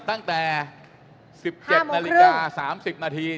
ตั้งแต่๑๗นาฬิกา๓๐นาที